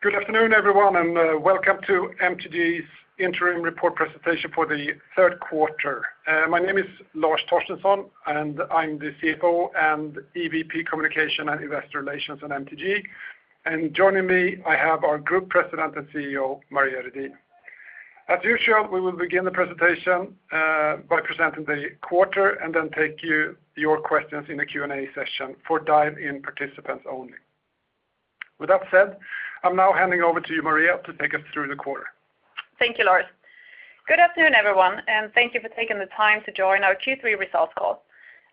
Good afternoon, everyone, and welcome to MTG's interim report presentation for the third quarter. My name is Lars Torstensson, and I'm the CFO and EVP Communications & Investor Relations at MTG. Joining me, I have our Group President and CEO, Maria Redin. As usual, we will begin the presentation by presenting the quarter and then take your questions in the Q&A session for dial-in participants only. With that said, I'm now handing over to you, Maria, to take us through the quarter. Thank you, Lars. Good afternoon, everyone, and thank you for taking the time to join our Q3 results call.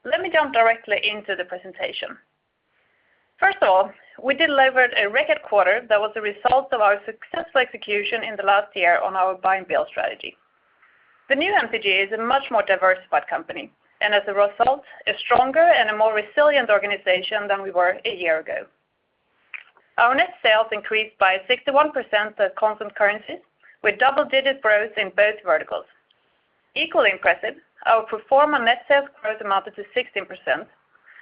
Let me jump directly into the presentation. First of all, we delivered a record quarter that was a result of our successful execution in the last year on our buy and build strategy. The new MTG is a much more diversified company, and as a result, a stronger and a more resilient organization than we were a year ago. Our net sales increased by 61% at constant currency, with double-digit growth in both verticals. Equally impressive, our pro forma net sales growth amounted to 16%.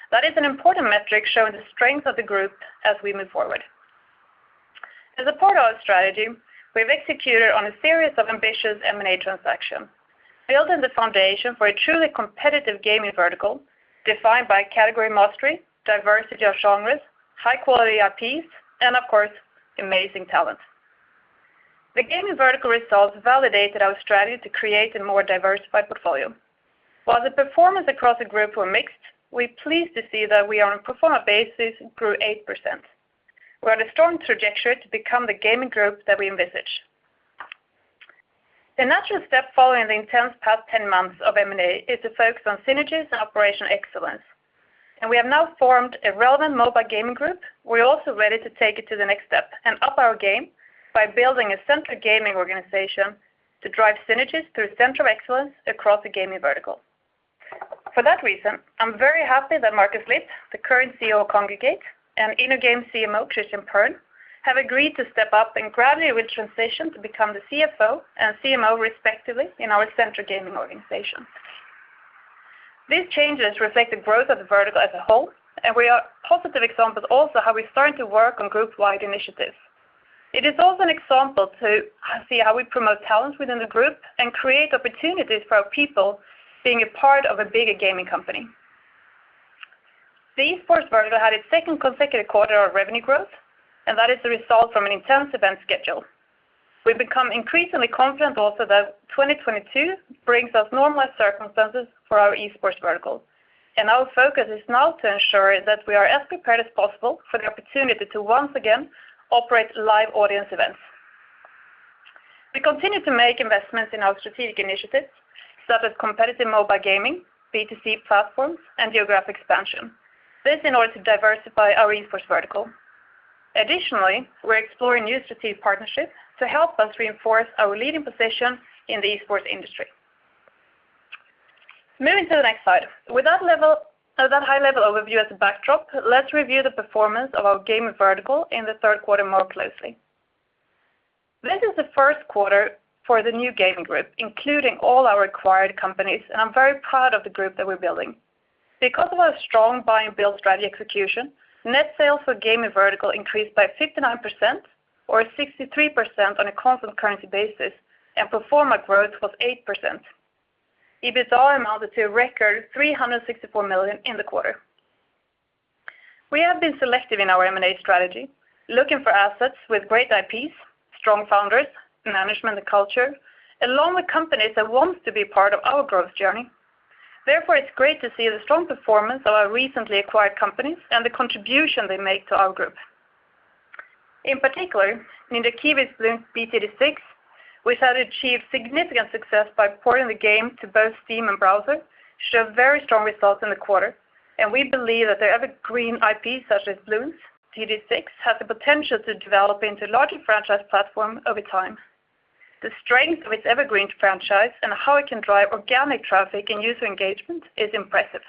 That is an important metric showing the strength of the group as we move forward. To support our strategy, we have executed on a series of ambitious M&A transactions, building the foundation for a truly competitive gaming vertical defined by category mastery, diversity of genres, high-quality IPs, and of course, amazing talent. The gaming vertical results validated our strategy to create a more diversified portfolio. While the performance across the group were mixed, we're pleased to see that we, on a pro forma basis, grew 8%. We're on a strong trajectory to become the gaming group that we envisage. The natural step following the intense past 10 months of M&A is to focus on synergies and operational excellence, and we have now formed a relevant mobile gaming group. We're also ready to take it to the next step and up our game by building a central gaming organization to drive synergies through center of excellence across the gaming vertical. For that reason, I'm very happy that Markus Lipp, the current CEO of Kongregate, and InnoGames CMO, Christian Pern, have agreed to step up and gradually will transition to become the CFO and CMO, respectively, in our central gaming organization. These changes reflect the growth of the vertical as a whole, and these are positive examples of how we're starting to work on group-wide initiatives. It is also an example to see how we promote talent within the group and create opportunities for our people being a part of a bigger gaming company. The esports vertical had its second consecutive quarter of revenue growth, and that is the result of an intense event schedule. We've become increasingly confident also that 2022 brings us normalized circumstances for our esports vertical, and our focus is now to ensure that we are as prepared as possible for the opportunity to once again operate live audience events. We continue to make investments in our strategic initiatives, such as competitive mobile gaming, B2C platforms, and geographic expansion. This in order to diversify our esports vertical. Additionally, we're exploring new strategic partnerships to help us reinforce our leading position in the esports industry. Moving to the next slide. With that high-level overview as a backdrop, let's review the performance of our gaming vertical in the third quarter more closely. This is the first quarter for the new gaming group, including all our acquired companies, and I'm very proud of the group that we're building. Because of our strong buy and build strategy execution, net sales for Gaming Vertical increased by 59% or 63% on a constant currency basis, and pro forma growth was 8%. EBITDA amounted to a record 364 million in the quarter. We have been selective in our M&A strategy, looking for assets with great IPs, strong founders, management, and culture, along with companies that want to be part of our growth journey. Therefore, it's great to see the strong performance of our recently acquired companies and the contribution they make to our group. In particular, Ninja Kiwi's Bloons TD 6, which had achieved significant success by porting the game to both Steam and browser, showed very strong results in the quarter, and we believe that the evergreen IP such as Bloons TD 6 has the potential to develop into a larger franchise platform over time. The strength of its evergreen franchise and how it can drive organic traffic and user engagement is impressive.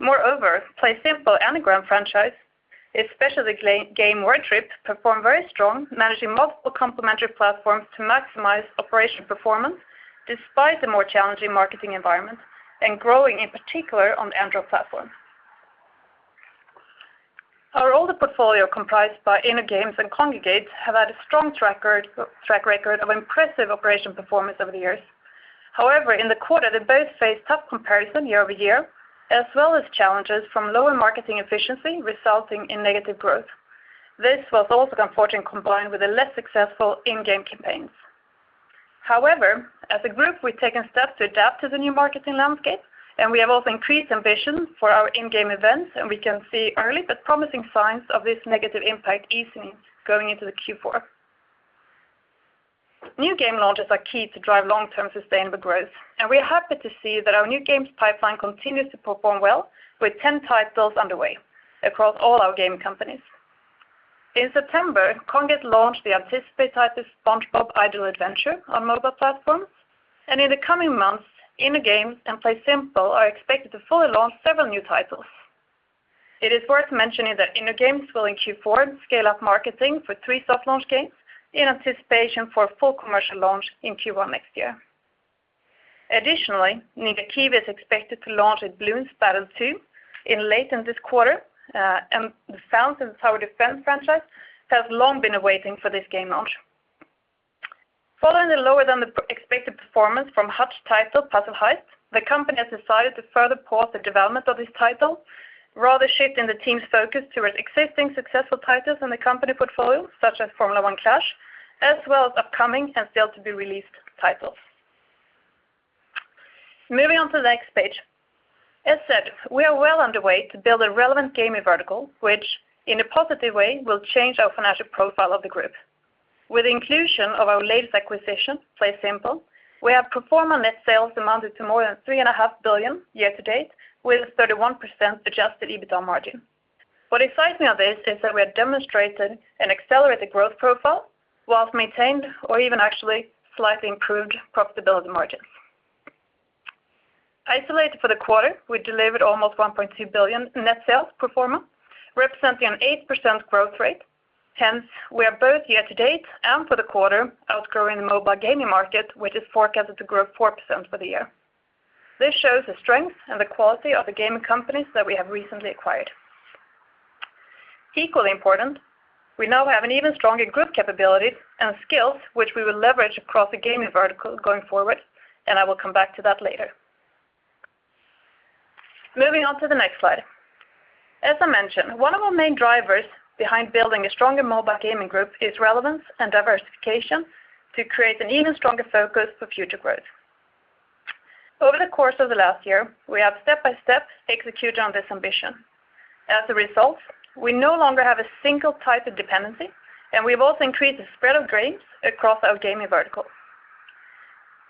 Moreover, PlaySimple and the Word Games franchise, especially game Word Trip, performed very strong, managing multiple complementary platforms to maximize operational performance despite the more challenging marketing environment and growing, in particular, on the Android platform. Our older portfolio comprised by InnoGames and Kongregate have had a strong track record of impressive operational performance over the years. However, in the quarter, they both faced tough comparison year-over-year, as well as challenges from lower marketing efficiency resulting in negative growth. This was also unfortunately combined with the less successful in-game campaigns. However, as a group, we've taken steps to adapt to the new marketing landscape, and we have also increased ambition for our in-game events, and we can see early but promising signs of this negative impact easing going into the Q4. New game launches are key to drive long-term sustainable growth, and we are happy to see that our new games pipeline continues to perform well with 10 titles underway across all our gaming companies. In September, Kongregate launched the anticipated title SpongeBob's Idle Adventures on mobile platforms, and in the coming months, InnoGames and PlaySimple are expected to fully launch several new titles. It is worth mentioning that InnoGames will in Q4 scale up marketing for three soft launch games in anticipation for a full commercial launch in Q1 next year. Additionally, Ninja Kiwi is expected to launch its Bloons TD Battles 2 late in this quarter, and the fans of the tower defense franchise have long been awaiting for this game launch. Following the lower-than-expected performance from Hutch's title, Puzzle Heights, the company has decided to further pause the development of this title, rather shifting the team's focus to its existing successful titles in the company portfolio, such as F1 Clash, as well as upcoming and still to be released titles. Moving on to the next page. As said, we are well underway to build a relevant gaming vertical, which in a positive way will change our financial profile of the group. With the inclusion of our latest acquisition, PlaySimple, we have pro forma net sales amounted to more than 3.5 billion year-to-date, with 31% adjusted EBITDA margin. What excites me about this is that we have demonstrated an accelerated growth profile while maintaining or even actually slightly improved profitability margins. Isolated for the quarter, we delivered almost 1.2 billion in net sales pro forma, representing an 8% growth rate. Hence, we are both year-to-date and for the quarter outgrowing the mobile gaming market, which is forecasted to grow 4% for the year. This shows the strength and the quality of the gaming companies that we have recently acquired. Equally important, we now have an even stronger group capabilities and skills which we will leverage across the gaming vertical going forward, and I will come back to that later. Moving on to the next slide. As I mentioned, one of our main drivers behind building a stronger mobile gaming group is relevance and diversification to create an even stronger focus for future growth. Over the course of the last year, we have step-by-step executed on this ambition. As a result, we no longer have a single type of dependency, and we've also increased the spread of games across our gaming vertical.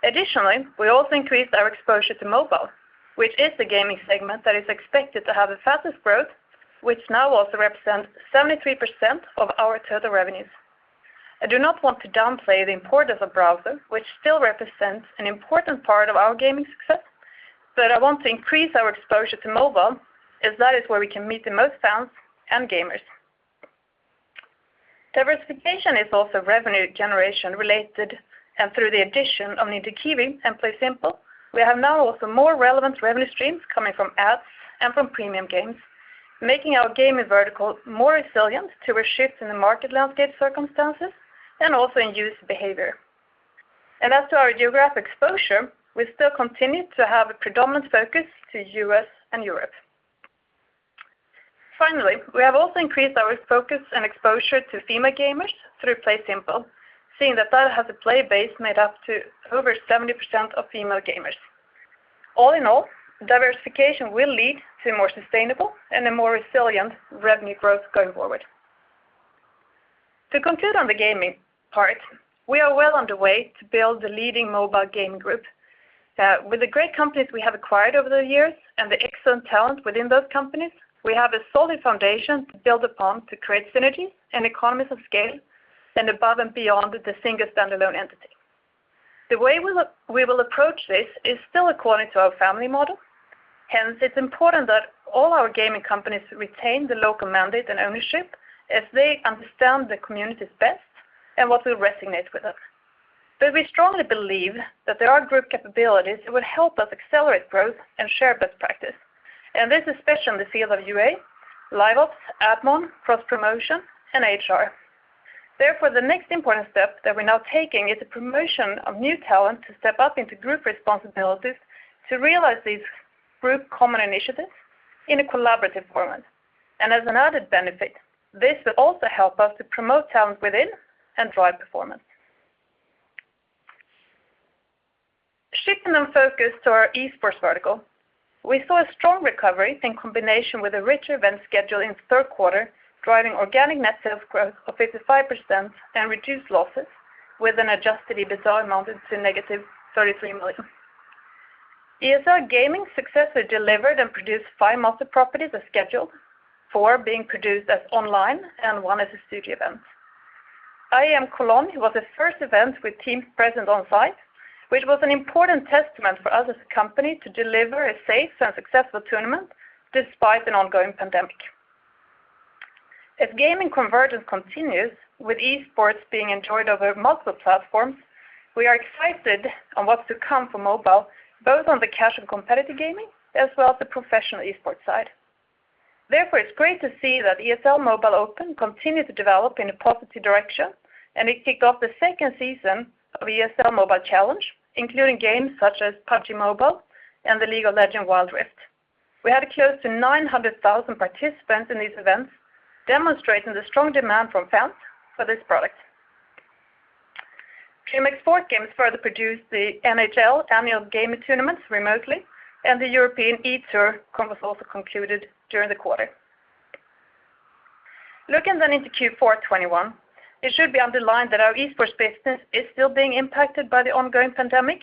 Additionally, we also increased our exposure to mobile, which is the gaming segment that is expected to have the fastest growth, which now also represents 73% of our total revenues. I do not want to downplay the importance of browser, which still represents an important part of our gaming success, but I want to increase our exposure to mobile as that is where we can meet the most fans and gamers. Diversification is also revenue generation related, and through the addition of Ninja Kiwi and PlaySimple, we have now also more relevant revenue streams coming from ads and from premium games, making our gaming vertical more resilient to a shift in the market landscape circumstances and also in user behavior. As to our geographic exposure, we still continue to have a predominant focus to U.S. and Europe. Finally, we have also increased our focus and exposure to female gamers through PlaySimple, seeing that that has a player base made up to over 70% of female gamers. All in all, diversification will lead to more sustainable and a more resilient revenue growth going forward. To conclude on the gaming part, we are well on the way to build the leading mobile gaming group. With the great companies we have acquired over the years and the excellent talent within those companies, we have a solid foundation to build upon to create synergy and economies of scale and above and beyond the single standalone entity. We will approach this is still according to our family model. Hence, it's important that all our gaming companies retain the local mandate and ownership as they understand the communities best and what will resonate with them. We strongly believe that there are group capabilities that will help us accelerate growth and share best practice, and this is especially in the field of UA, live ops, ad mon, cross-promotion, and HR. Therefore, the next important step that we're now taking is the promotion of new talent to step up into group responsibilities to realize these group common initiatives in a collaborative format. As an added benefit, this will also help us to promote talent within and drive performance. Shifting our focus to our esports vertical, we saw a strong recovery in combination with a rich event schedule in the third quarter, driving organic net sales growth of 55% and reduced losses with an adjusted EBITDA amounted to -33 million. ESL Gaming successfully delivered and produced five master properties as scheduled, four being produced as online and one as a studio event. IEM Cologne was the first event with teams present on-site, which was an important testament for us as a company to deliver a safe and successful tournament despite an ongoing pandemic. As gaming convergence continues with esports being enjoyed over multiple platforms, we are excited about what's to come for mobile, both on the casual competitive gaming as well as the professional esports side. Therefore, it's great to see that ESL Mobile Open continue to develop in a positive direction, and we kicked off the second season of ESL Mobile Challenge, including games such as PUBG Mobile and the League of Legends: Wild Rift. We had close to 900,000 participants in these events, demonstrating the strong demand from fans for this product. ESL Gaming further produced the NHL annual gaming tournaments remotely, and the European eTour was also concluded during the quarter. Looking into Q4 2021, it should be underlined that our esports business is still being impacted by the ongoing pandemic,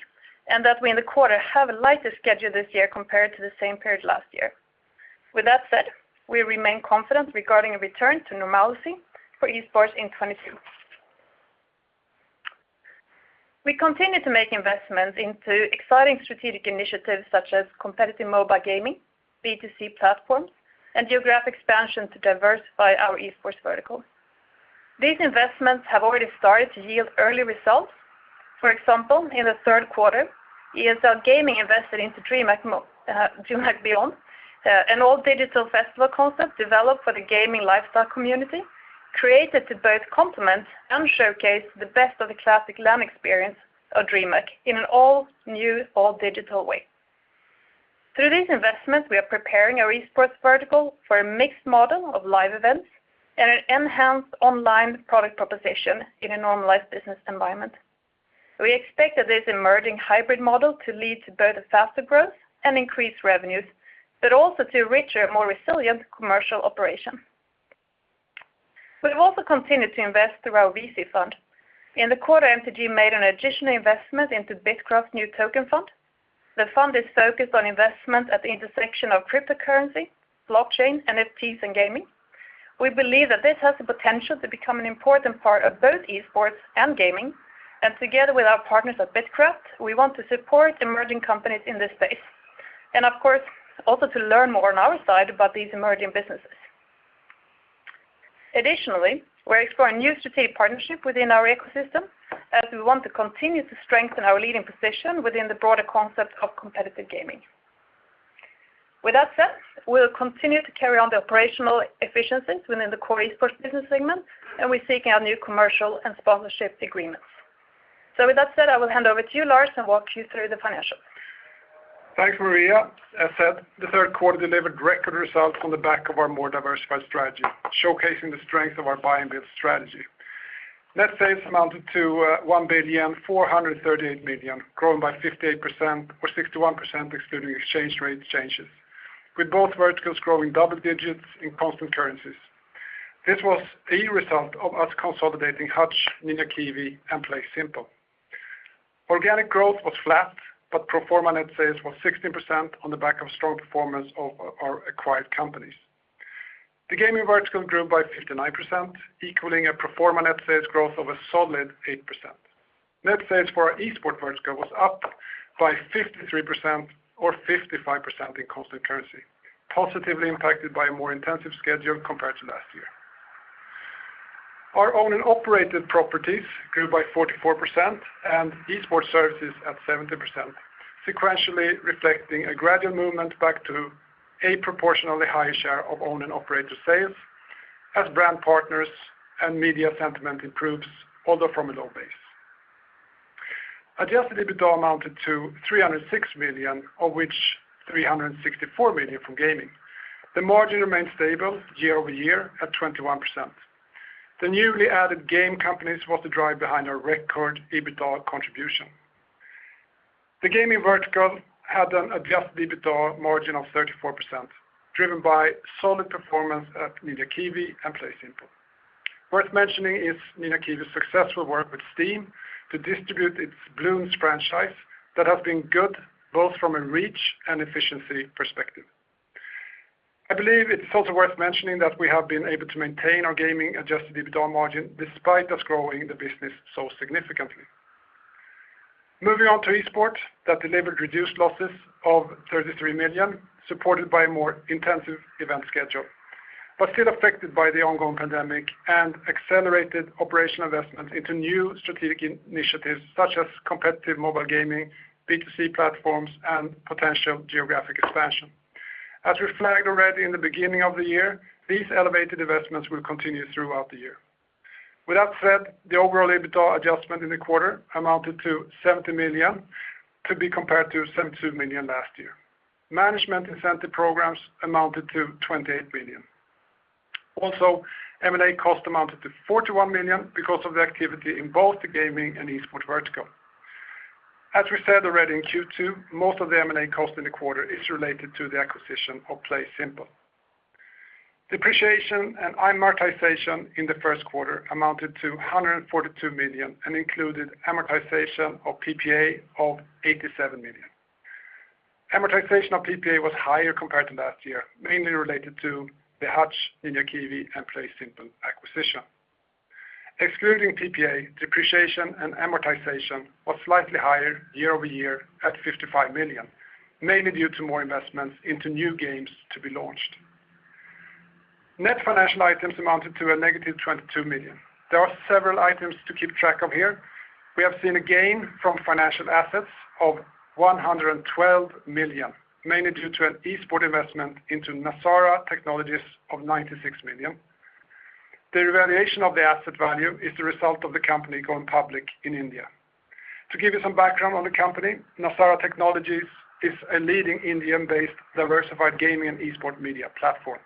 and that we in the quarter have a lighter schedule this year compared to the same period last year. With that said, we remain confident regarding a return to normalcy for esports in 2022. We continue to make investments into exciting strategic initiatives such as competitive mobile gaming, B2C platforms, and geographic expansion to diversify our esports vertical. These investments have already started to yield early results. For example, in the third quarter, ESL Gaming invested into DreamHack Beyond, an all-digital festival concept developed for the gaming lifestyle community, created to both complement and showcase the best of the classic LAN experience of DreamHack in an all-new, all-digital way. Through this investment, we are preparing our esports vertical for a mixed model of live events and an enhanced online product proposition in a normalized business environment. We expect that this emerging hybrid model to lead to both faster growth and increased revenues, but also to a richer, more resilient commercial operation. We've also continued to invest through our VC fund. In the quarter, MTG made an additional investment into BITKRAFT's new token fund. The fund is focused on investment at the intersection of cryptocurrency, blockchain, NFTs, and gaming. We believe that this has the potential to become an important part of both esports and gaming, and together with our partners at BITKRAFT, we want to support emerging companies in this space, and of course, also to learn more on our side about these emerging businesses. Additionally, we're exploring new strategic partnership within our ecosystem as we want to continue to strengthen our leading position within the broader concept of competitive gaming. With that said, we'll continue to carry on the operational efficiencies within the core esports business segment, and we're seeking out new commercial and sponsorship agreements. With that said, I will hand over to you, Lars, and walk you through the financials. Thanks, Maria. As said, the third quarter delivered record results on the back of our more diversified strategy, showcasing the strength of our buy and build strategy. Net sales amounted to 1,438 million, growing by 58% or 61% excluding exchange rate changes, with both verticals growing double digits in constant currencies. This was the result of us consolidating Hutch, Ninja Kiwi, and PlaySimple. Organic growth was flat, but pro forma net sales was 16% on the back of strong performance of our acquired companies. The gaming vertical grew by 59%, equaling a pro forma net sales growth of a solid 8%. Net sales for our esports vertical was up by 53% or 55% in constant currency, positively impacted by a more intensive schedule compared to last year. Our own and operated properties grew by 44% and esports services at 70%, sequentially reflecting a gradual movement back to a proportionally higher share of own and operator sales as brand partners and media sentiment improves, although from a low base. Adjusted EBITDA amounted to 306 million, of which 364 million from gaming. The margin remained stable year-over-year at 21%. The newly added game companies was the drive behind our record EBITDA contribution. The gaming vertical had an adjusted EBITDA margin of 34%, driven by solid performance at Ninja Kiwi and PlaySimple. Worth mentioning is Ninja Kiwi's successful work with Steam to distribute its Bloons franchise that has been good both from a reach and efficiency perspective. I believe it's also worth mentioning that we have been able to maintain our gaming-adjusted EBITDA margin despite us growing the business so significantly. Moving on to esports, that delivered reduced losses of 33 million, supported by a more intensive event schedule, but still affected by the ongoing pandemic and accelerated operational investment into new strategic initiatives such as competitive mobile gaming, B2C platforms, and potential geographic expansion. As we flagged already in the beginning of the year, these elevated investments will continue throughout the year. With that said, the overall EBITDA adjustment in the quarter amounted to 70 million to be compared to 72 million last year. Management incentive programs amounted to 28 million. Also, M&A cost amounted to 41 million because of the activity in both the gaming and esports vertical. As we said already in Q2, most of the M&A cost in the quarter is related to the acquisition of PlaySimple. Depreciation and amortization in the first quarter amounted to 142 million and included amortization of PPA of 87 million. Amortization of PPA was higher compared to last year, mainly related to the Hutch, Ninja Kiwi, and PlaySimple acquisition. Excluding PPA, depreciation and amortization was slightly higher year-over-year at 55 million, mainly due to more investments into new games to be launched. Net financial items amounted to a negative 22 million. There are several items to keep track of here. We have seen a gain from financial assets of 112 million, mainly due to an esports investment into Nazara Technologies of 96 million. The revaluation of the asset value is the result of the company going public in India. To give you some background on the company, Nazara Technologies is a leading Indian-based diversified gaming and esports media platform.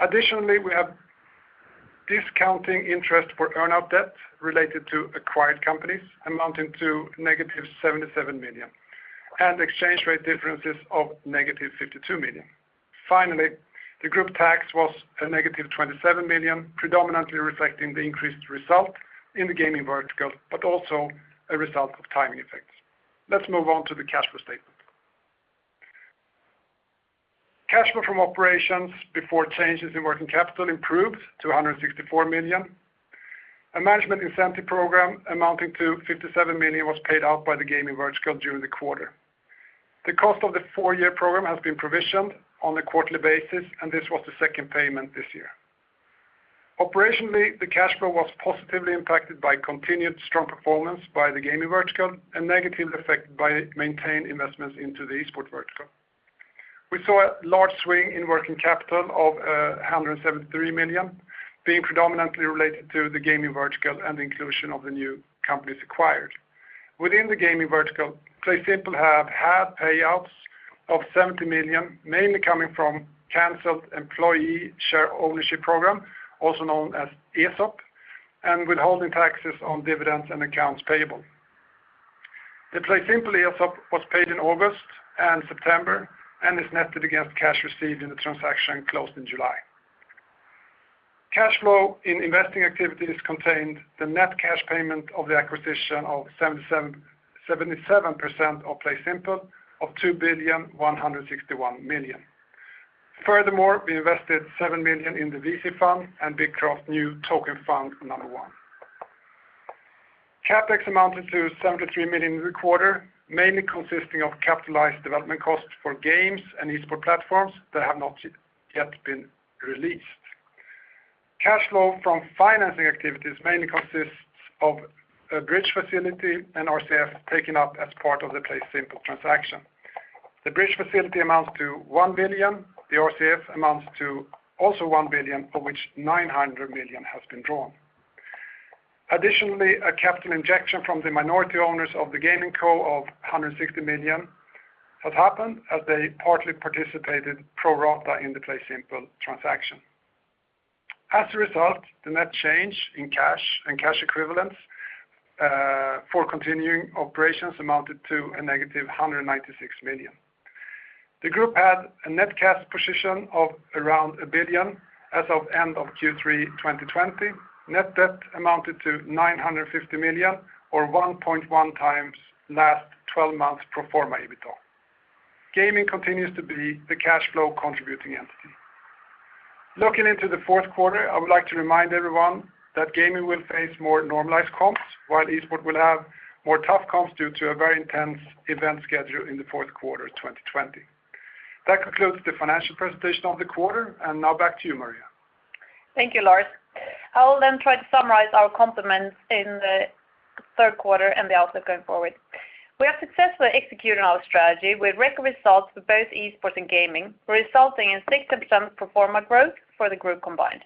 Additionally, we have discounting interest for earn-out debt related to acquired companies amounting to -77 million and exchange rate differences of -52 million. Finally, the group tax was -27 million, predominantly reflecting the increased result in the Gaming Vertical, but also a result of timing effects. Let's move on to the cash flow statement. Cash flow from operations before changes in working capital improved to 164 million. A management incentive program amounting to 57 million was paid out by the Gaming Vertical during the quarter. The cost of the four-year program has been provisioned on a quarterly basis, and this was the second payment this year. Operationally, the cash flow was positively impacted by continued strong performance by the gaming vertical and negatively affected by maintained investments into the Esports vertical. We saw a large swing in working capital of 173 million, being predominantly related to the gaming vertical and the inclusion of the new companies acquired. Within the gaming vertical, PlaySimple have had payouts of 70 million, mainly coming from canceled employee share ownership program, also known as ESOP, and withholding taxes on dividends and accounts payable. The PlaySimple ESOP was paid in August and September and is netted against cash received in the transaction closed in July. Cash flow in investing activities contained the net cash payment of the acquisition of 77 percent of PlaySimple of 2,161 million. Furthermore, we invested 7 million in the VC fund and BITKRAFT's new token fund number one. CapEx amounted to 73 million in the quarter, mainly consisting of capitalized development costs for games and esports platforms that have not yet been released. Cash flow from financing activities mainly consists of a bridge facility and RCF taken up as part of the PlaySimple transaction. The bridge facility amounts to 1 billion. The RCF amounts to also 1 billion, of which 900 million has been drawn. Additionally, a capital injection from the minority owners of the GamingCo of 160 million has happened as they partly participated pro rata in the PlaySimple transaction. As a result, the net change in cash and cash equivalents for continuing operations amounted to -196 million. The group had a net cash position of around 1 billion as of end of Q3 2020. Net debt amounted to 950 million or 1.1x last 12 months pro forma EBITDA. Gaming continues to be the cash flow contributing entity. Looking into the fourth quarter, I would like to remind everyone that gaming will face more normalized comps, while Esports will have more tough comps due to a very intense event schedule in the fourth quarter of 2020. That concludes the financial presentation of the quarter. Now back to you, Maria. Thank you, Lars. I will then try to summarize our comments in the third quarter and the outlook going forward. We have successfully executed our strategy with record results for both Esports and gaming, resulting in 60% pro forma growth for the group combined.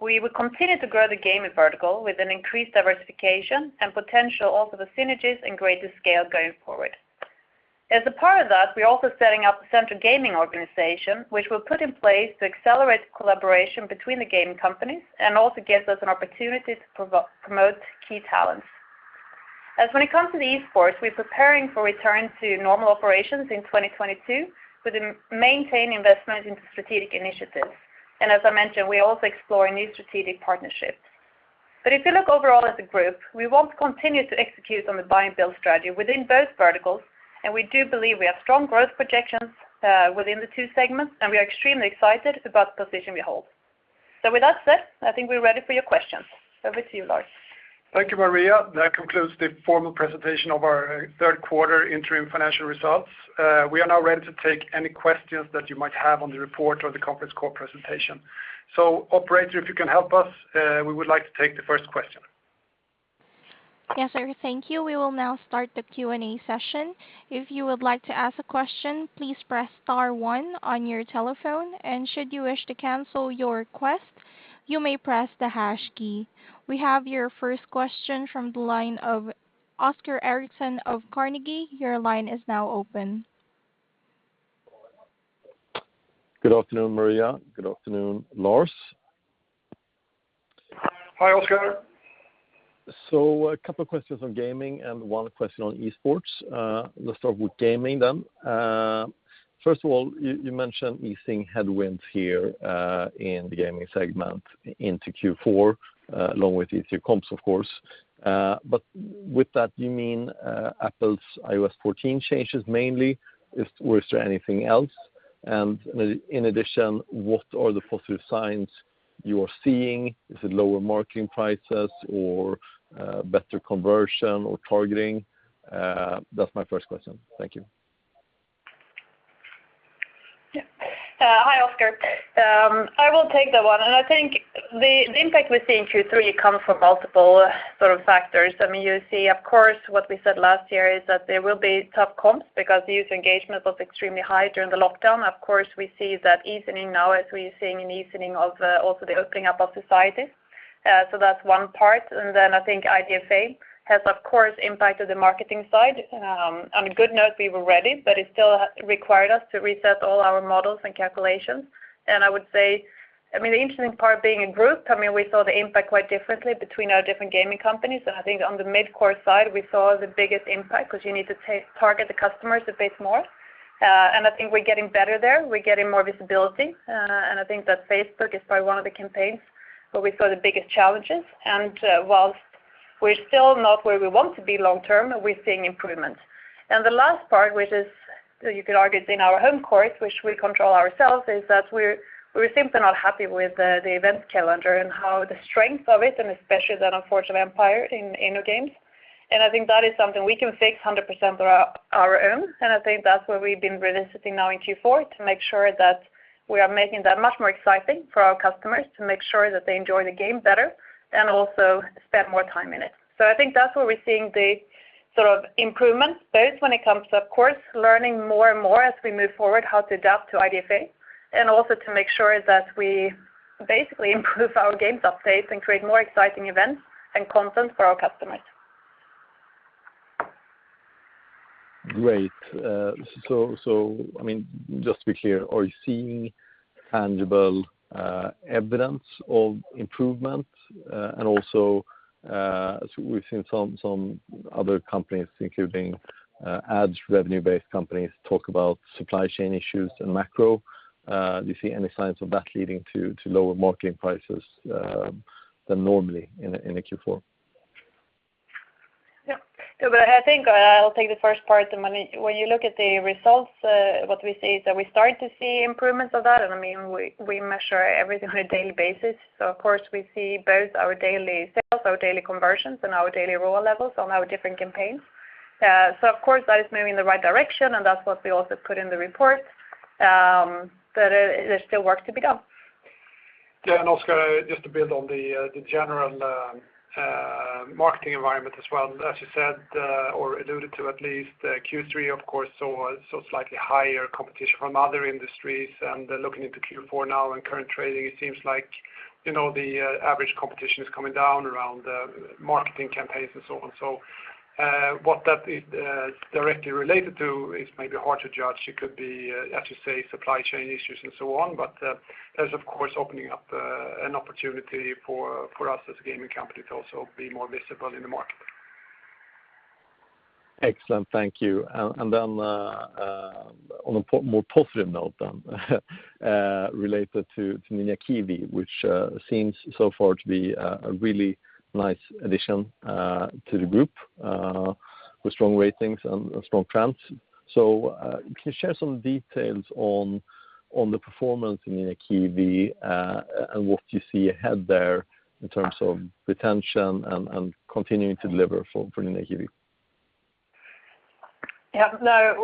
We will continue to grow the gaming vertical with an increased diversification and potential also the synergies and greater scale going forward. As a part of that, we're also setting up a central gaming organization, which will put in place to accelerate collaboration between the gaming companies and also gives us an opportunity to promote key talents. When it comes to Esports, we're preparing for return to normal operations in 2022 with a maintained investment into strategic initiatives. As I mentioned, we're also exploring new strategic partnerships. If you look overall as a group, we want to continue to execute on the buy and build strategy within both verticals, and we do believe we have strong growth projections, within the two segments, and we are extremely excited about the position we hold. With that said, I think we're ready for your questions. Over to you, Lars. Thank you, Maria. That concludes the formal presentation of our third quarter interim financial results. We are now ready to take any questions that you might have on the report or the conference call presentation. Operator, if you can help us, we would like to take the first question. Yes, sir. Thank you. We will now start the Q&A session. If you would like to ask a question, please press star one on your telephone. Should you wish to cancel your request, you may press the hash key. We have your first question from the line of Oscar Erixon of Carnegie. Your line is now open. Good afternoon, Maria. Good afternoon, Lars. Hi, Oscar. A couple of questions on gaming and one question on Esports. Let's start with gaming then. First of all, you mentioned you're seeing headwinds here in the gaming segment into Q4, along with easier comps, of course. With that, you mean Apple's iOS 14 changes mainly? Was there anything else? In addition, what are the positive signs you are seeing? Is it lower marketing prices or better conversion or targeting? That's my first question. Thank you. Yeah. Hi, Oscar. I will take that one. I think the impact we're seeing in Q3 comes from multiple sort of factors. I mean, you see, of course, what we said last year is that there will be tough comps because user engagement was extremely high during the lockdown. Of course, we see that easing now as we're seeing an easing of also the opening up of societies. So that's one part. I think IDFA has, of course, impacted the marketing side. On a good note, we were ready, but it still required us to reset all our models and calculations. I would say, I mean, the interesting part being a group, I mean, we saw the impact quite differently between our different gaming companies. I think on the mid-core side, we saw the biggest impact because you need to target the customers a bit more. I think we're getting better there. We're getting more visibility. I think that Facebook is probably one of the campaigns where we saw the biggest challenges. While we're still not where we want to be long-term, we're seeing improvements. The last part, which you could argue is in our home court, which we control ourselves, is that we're simply not happy with the event calendar and how the strength of it, and especially that, unfortunately, Forge of Empires in InnoGames. I think that is something we can fix 100% on our own. I think that's where we've been really sitting now in Q4 to make sure that we are making that much more exciting for our customers, to make sure that they enjoy the game better and also spend more time in it. I think that's where we're seeing the sort of improvements, both when it comes to, of course, learning more and more as we move forward how to adapt to IDFA, and also to make sure that we basically improve our games updates and create more exciting events and content for our customers. Great. I mean, just to be clear, are you seeing tangible evidence of improvement? We've seen some other companies, including ads revenue-based companies, talk about supply chain issues and macro. Do you see any signs of that leading to lower marketing prices than normally in a Q4? Yeah. No, I think I'll take the first part. I mean, when you look at the results, what we see is that we start to see improvements of that. I mean, we measure everything on a daily basis. Of course, we see both our daily sales, our daily conversions, and our daily ROAS levels on our different campaigns. Of course, that is moving in the right direction, and that's what we also put in the report. There's still work to be done. Yeah, Oskar, just to build on the general marketing environment as well. As you said, or alluded to at least, Q3, of course, saw slightly higher competition from other industries. Looking into Q4 now and current trading, it seems like, you know, the average competition is coming down around marketing campaigns and so on. What that is directly related to is maybe hard to judge. It could be, as you say, supply chain issues and so on. That's of course opening up an opportunity for us as a gaming company to also be more visible in the market. Excellent. Thank you. Then, on a more positive note then, related to Ninja Kiwi, which seems so far to be a really nice addition to the group with strong ratings and strong trends. Can you share some details on the performance in Ninja Kiwi, and what you see ahead there in terms of retention and continuing to deliver for Ninja Kiwi? Yeah, no.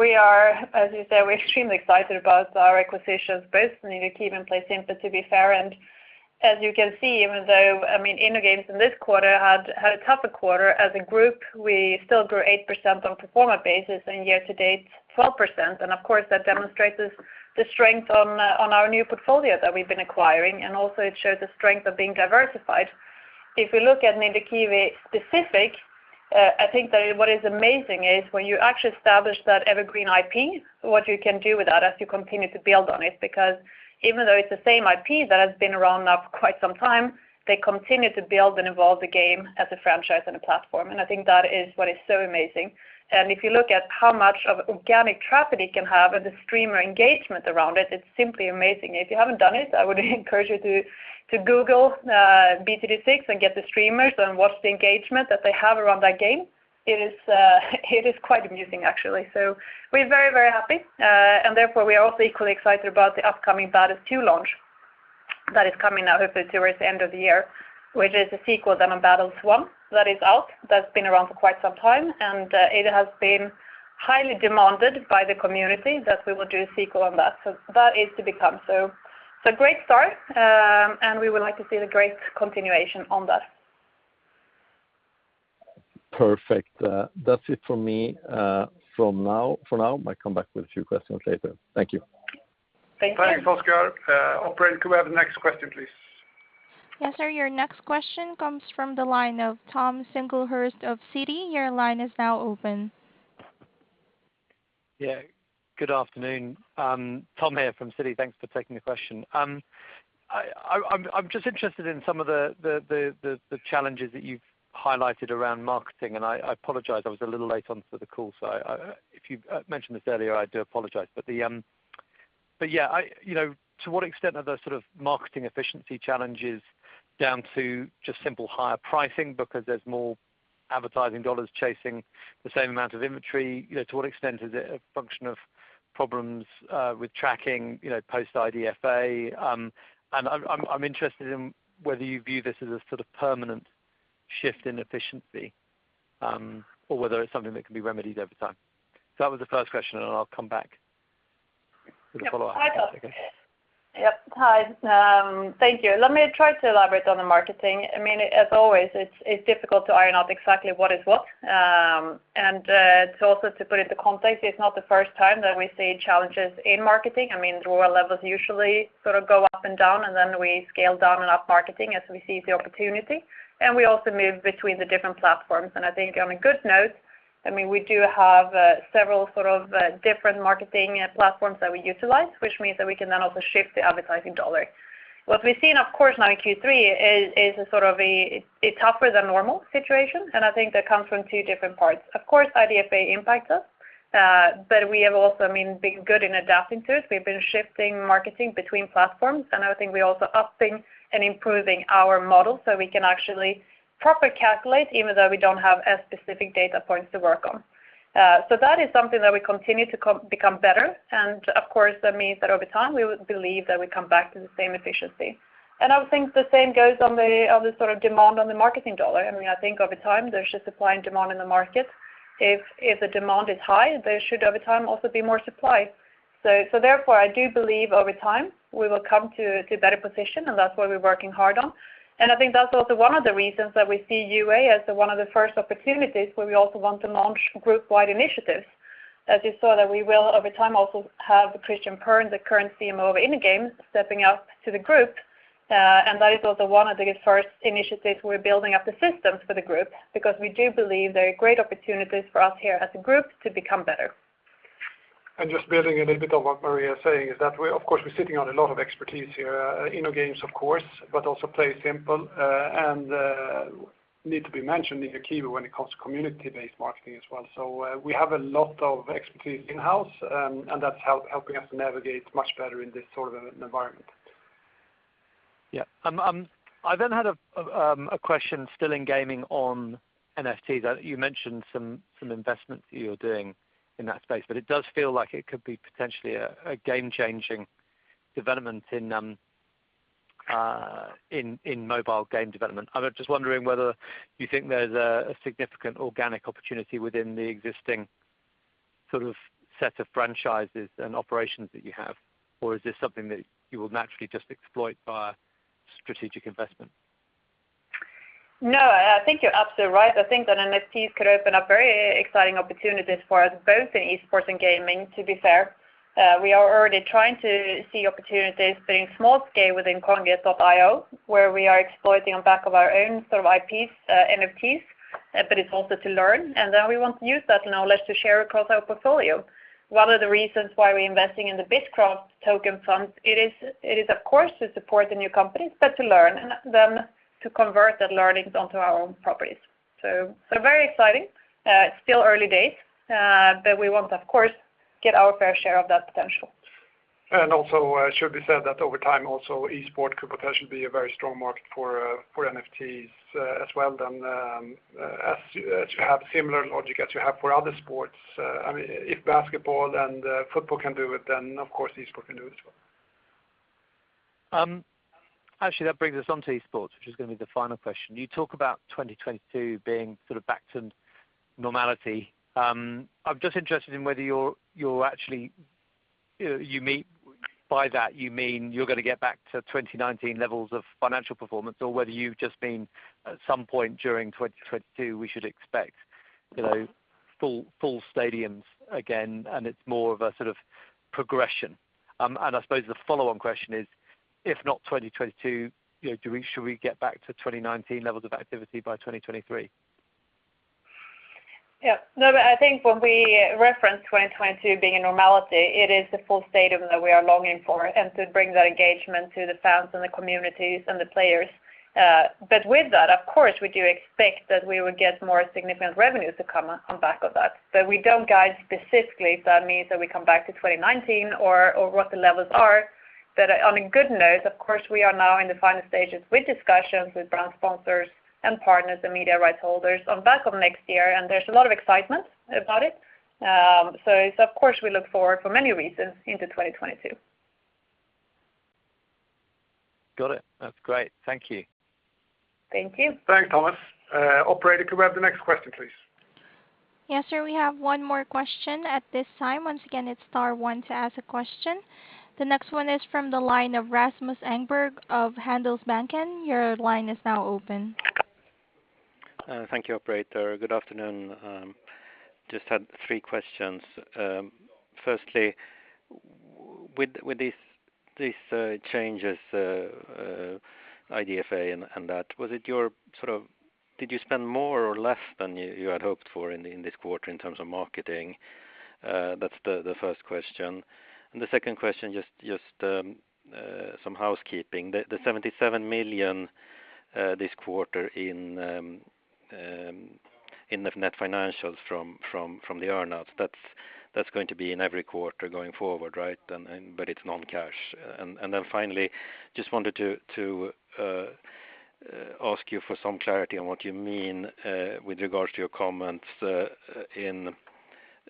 As you said, we're extremely excited about our acquisitions, both Ninja Kiwi and PlaySimple, but to be fair, and as you can see, even though, I mean, InnoGames in this quarter had a tougher quarter, as a group, we still grew 8% on pro forma basis and year-to-date, 12%. Of course, that demonstrates the strength on our new portfolio that we've been acquiring, and also it shows the strength of being diversified. If you look at Ninja Kiwi specific, I think that what is amazing is when you actually establish that evergreen IP, what you can do with that as you continue to build on it. Because even though it's the same IP that has been around now for quite some time, they continue to build and evolve the game as a franchise and a platform, and I think that is what is so amazing. If you look at how much of organic traffic it can have and the streamer engagement around it's simply amazing. If you haven't done it, I would encourage you to google BTD6 and get the streamers and watch the engagement that they have around that game. It is quite amusing, actually. We're very, very happy, and therefore we are also equally excited about the upcoming Bloons TD Battles 2 launch that is coming out hopefully towards the end of the year, which is a sequel then on Bloons TD Battles that is out, that's been around for quite some time, and it has been highly demanded by the community that we will do a sequel on that. That is to become. Great start, and we would like to see a great continuation on that. Perfect. That's it for me, from now, for now. Might come back with a few questions later. Thank you. Thank you. Thanks, Oscar. Operator, could we have the next question, please? Yes, sir. Your next question comes from the line of Tom Singlehurst of Citi. Your line is now open. Yeah, good afternoon. Tom here from Citi. Thanks for taking the question. I'm just interested in some of the challenges that you've highlighted around marketing, and I apologize, I was a little late onto the call, so if you've mentioned this earlier, I do apologize. Yeah, you know, to what extent are those sort of marketing efficiency challenges down to just simple higher pricing because there's more advertising dollars chasing the same amount of inventory? You know, to what extent is it a function of problems with tracking, you know, post-IDFA? And I'm interested in whether you view this as a sort of permanent shift in efficiency, or whether it's something that can be remedied over time. That was the first question, and then I'll come back with a follow-up. Yeah. Hi, Tom. Okay. Yeah. Hi. Thank you. Let me try to elaborate on the marketing. I mean, as always, it's difficult to iron out exactly what is what. To put it into context, it's not the first time that we see challenges in marketing. I mean, ROAS levels usually sort of go up and down, and then we scale down and up marketing as we see the opportunity, and we also move between the different platforms. I think on a good note, I mean, we do have several sort of different marketing platforms that we utilize, which means that we can then also shift the advertising dollar. What we've seen, of course, now in Q3 is a sort of a tougher than normal situation, and I think that comes from two different parts. Of course, IDFA impacts us, but we have also, I mean, been good in adapting to it. We've been shifting marketing between platforms, and I would think we're also upping and improving our model so we can actually properly calculate even though we don't have as specific data points to work on. So that is something that we continue to become better, and of course, that means that over time we would believe that we come back to the same efficiency. I would think the same goes for the sort of demand on the marketing dollar. I mean, I think over time there's just supply and demand in the market. If the demand is high, there should over time also be more supply. Therefore, I do believe over time we will come to a better position, and that's what we're working hard on. I think that's also one of the reasons that we see UA as one of the first opportunities where we also want to launch group-wide initiatives. As you saw that we will over time also have Christian Pern, the current CMO of InnoGames, stepping up to the group, and that is also one of the first initiatives we're building up the systems for the group because we do believe there are great opportunities for us here as a group to become better. Just building a little bit on what Maria is saying is that, of course, we're sitting on a lot of expertise here, InnoGames of course, but also PlaySimple, and need to be mentioned Ninja Kiwi when it comes to community-based marketing as well. We have a lot of expertise in-house, and that's helping us navigate much better in this sort of an environment. Yeah. I then had a question still in gaming on NFT that you mentioned some investments that you're doing in that space, but it does feel like it could be potentially a game-changing development in mobile game development. I'm just wondering whether you think there's a significant organic opportunity within the existing sort of set of franchises and operations that you have, or is this something that you will naturally just exploit via strategic investment? No, I think you're absolutely right. I think that NFTs could open up very exciting opportunities for us both in esports and gaming, to be fair. We are already trying to see opportunities on a small scale within Kongregate.io, where we are exploiting on the back of our own sort of IPs, NFTs, but it's also to learn, and then we want to use that knowledge to share across our portfolio. One of the reasons why we're investing in the BITKRAFT token fund, it is of course to support the new companies, but to learn, and then to convert the learnings onto our own properties. Very exciting. It's still early days, but we want to of course get our fair share of that potential. Also, should be said that over time also esports could potentially be a very strong market for NFTs, as well then, as you have similar logic as you have for other sports. I mean, if basketball and football can do it, then of course esports can do it as well. Actually that brings us on to esports, which is gonna be the final question. You talk about 2022 being sort of back to normality. I'm just interested in whether you're actually you mean by that you mean you're gonna get back to 2019 levels of financial performance or whether you've just been at some point during 2022 we should expect, you know, full stadiums again, and it's more of a sort of progression. I suppose the follow-on question is, if not 2022, you know, do we should we get back to 2019 levels of activity by 2023? Yeah. No, I think when we reference 2022 being a normality, it is the full stadium that we are longing for, and to bring that engagement to the fans and the communities and the players. With that, of course, we do expect that we would get more significant revenues to come on back of that. We don't guide specifically if that means that we come back to 2019 or what the levels are. On a good note, of course, we are now in the final stages with discussions with brand sponsors and partners and media rights holders on back of next year, and there's a lot of excitement about it. It's of course we look forward for many reasons into 2022. Got it. That's great. Thank you. Thank you. Thanks, Thomas. Operator, could we have the next question, please? Yes, sir. We have one more question at this time. Once again, it's star one to ask a question. The next one is from the line of Rasmus Engberg of Handelsbanken. Your line is now open. Thank you, operator. Good afternoon. Just had three questions. Firstly, with these changes, IDFA and that, did you spend more or less than you had hoped for in this quarter in terms of marketing? That's the first question. The second question, some housekeeping. The 77 million this quarter in the net financials from the earn outs, that's going to be in every quarter going forward, right? But it's non-cash. Finally, just wanted to ask you for some clarity on what you mean with regards to your comments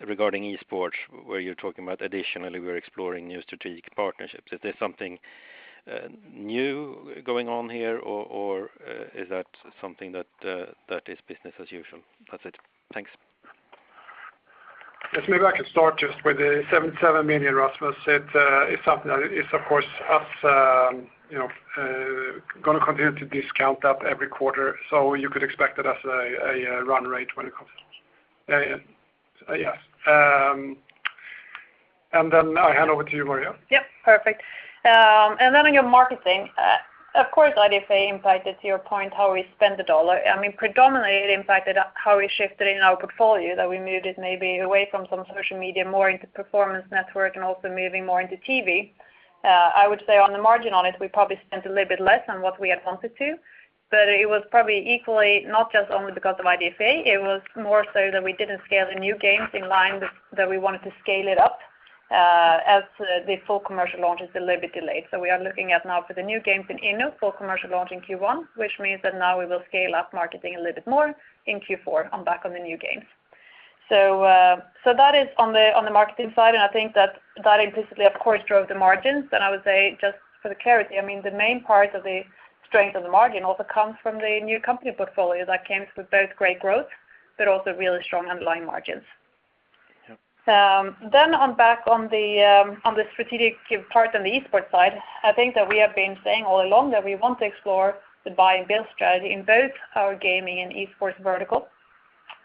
regarding esports, where you're talking about additionally we're exploring new strategic partnerships. Is there something new going on here or is that something that is business as usual? That's it. Thanks. Yes, maybe I can start just with the 77 million, Rasmus. It's something that is of course us gonna continue to discount that every quarter. You could expect it as a run rate when it comes to this. I hand over to you, Maria. Yep. Perfect. On your marketing, of course IDFA impacted to your point how we spend the dollar. I mean, predominantly it impacted how we shifted in our portfolio, that we moved it maybe away from some social media more into performance network and also moving more into TV. I would say on the margin on it, we probably spent a little bit less than what we had wanted to, but it was probably equally not just only because of IDFA, it was more so that we didn't scale the new games in line that we wanted to scale it up, as the full commercial launch is a little bit delayed. We are looking at now for the new games in Inno full commercial launch in Q1, which means that now we will scale up marketing a little bit more in Q4 and back on the new games. That is on the marketing side, and I think that implicitly of course drove the margins. I would say just for the clarity, I mean, the main part of the strength of the margin also comes from the new company portfolio that came with both great growth but also really strong underlying margins. Yep. Then back on the strategic part on the e-sports side, I think that we have been saying all along that we want to explore the buy and build strategy in both our gaming and e-sports vertical.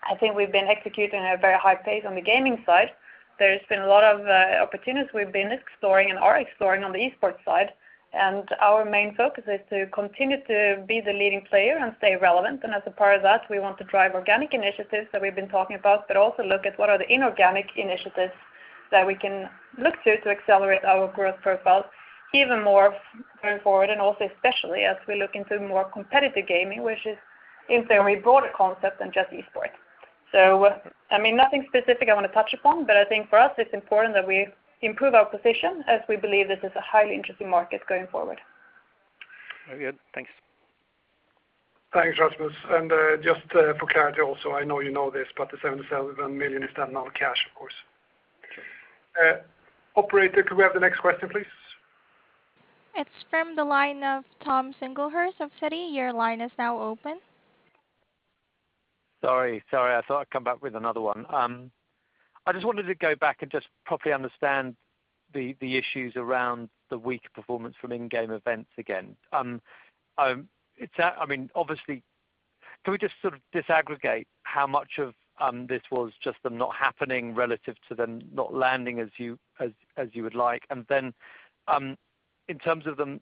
I think we've been executing at a very high pace on the gaming side. There's been a lot of opportunities we've been exploring and are exploring on the esports side. Our main focus is to continue to be the leading player and stay relevant. As a part of that, we want to drive organic initiatives that we've been talking about, but also look at what are the inorganic initiatives that we can look to to accelerate our growth profile even more going forward, and also especially as we look into more competitive gaming, which is in theory a broader concept than just esports. I mean, nothing specific I want to touch upon, but I think for us it's important that we improve our position as we believe this is a highly interesting market going forward. Very good. Thanks. Thanks, Rasmus. Just, for clarity also, I know you know this, but the 707 million is the amount of cash, of course. Sure. Operator, could we have the next question, please? It's from the line of Tom Singlehurst of Citi. Your line is now open. Sorry. I thought I'd come back with another one. I just wanted to go back and just properly understand the issues around the weak performance from in-game events again. It's, I mean, obviously. Can we just sort of disaggregate how much of this was just them not happening relative to them not landing as you would like? In terms of them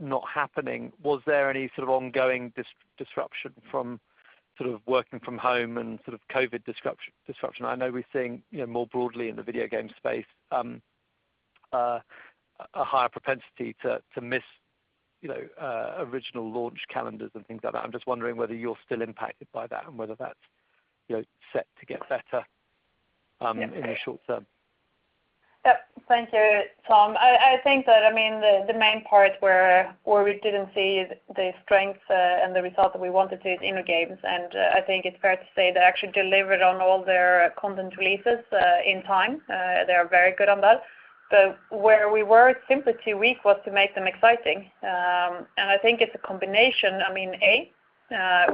not happening, was there any sort of ongoing disruption from sort of working from home and sort of COVID disruption? I know we're seeing, you know, more broadly in the video game space, a higher propensity to miss, you know, original launch calendars and things like that. I'm just wondering whether you're still impacted by that and whether that's, you know, set to get better in the short term. Yeah. Thank you, Tom. I think that, I mean, the main parts where we didn't see the strength and the result that we wanted to is InnoGames, and I think it's fair to say they actually delivered on all their content releases in time. They are very good on that. Where we were simply too weak was to make them exciting. I think it's a combination. I mean, A,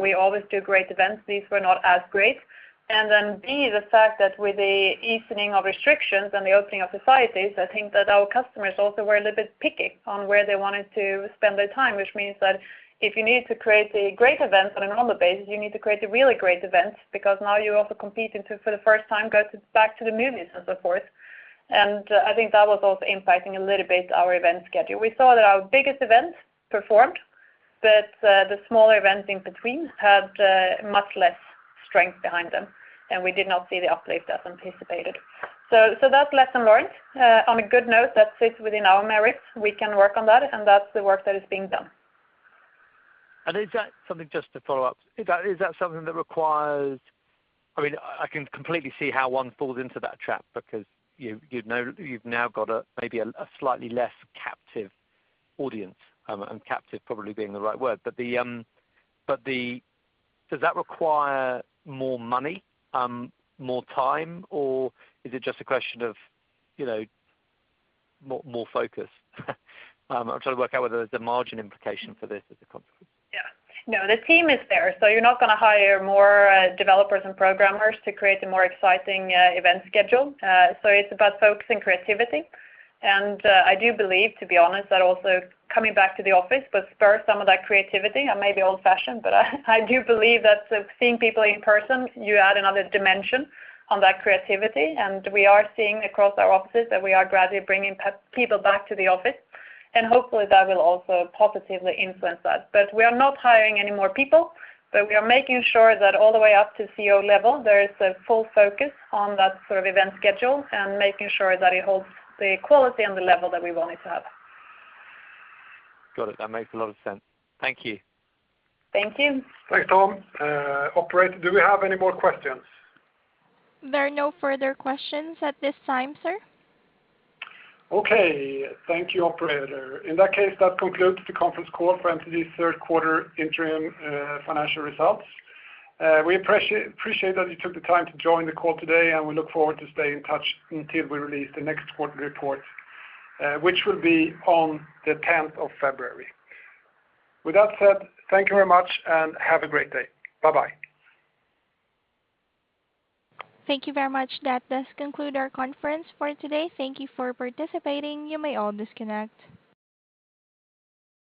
we always do great events. These were not as great. B, the fact that with the easing of restrictions and the opening of societies, I think that our customers also were a little bit picky on where they wanted to spend their time, which means that if you need to create the great events on a normal basis, you need to create the really great events because now you're also competing to, for the first time, go back to the movies and so forth. I think that was also impacting a little bit our event schedule. We saw that our biggest events performed, but the smaller events in between had much less strength behind them, and we did not see the uplift as anticipated. So that's lesson learned. On a good note, that sits within our merits. We can work on that, and that's the work that is being done. Just to follow up, is that something that requires more money, more time, or is it just a question of more focus? I mean, I can completely see how one falls into that trap because you'd know you've now got maybe a slightly less captive audience, and captive probably being the right word. I'm trying to work out whether there's a margin implication for this as a consequence. Yeah. No, the team is there. You're not gonna hire more developers and programmers to create a more exciting event schedule. It's about focus and creativity. I do believe, to be honest, that also coming back to the office will spur some of that creativity. I may be old-fashioned, but I do believe that seeing people in person, you add another dimension on that creativity. We are seeing across our offices that we are gradually bringing people back to the office, and hopefully that will also positively influence that. We are not hiring any more people, but we are making sure that all the way up to CEO level, there is a full focus on that sort of event schedule and making sure that it holds the quality and the level that we want it to have. Got it. That makes a lot of sense. Thank you. Thank you. Thanks, Tom. Operator, do we have any more questions? There are no further questions at this time, sir. Okay. Thank you, operator. In that case, that concludes the conference call for MTG's third quarter interim financial results. We appreciate that you took the time to join the call today, and we look forward to staying in touch until we release the next quarter report, which will be on the 10th of February. With that said, thank you very much and have a great day. Bye-bye. Thank you very much. That does conclude our conference for today. Thank you for participating. You may all disconnect.